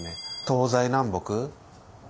東西南北